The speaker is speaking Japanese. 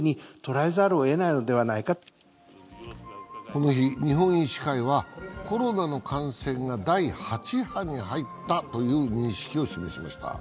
この日、日本医師会はコロナの感染が第８波に入ったという認識を示しました。